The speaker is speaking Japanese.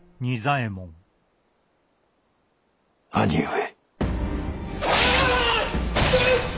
兄上。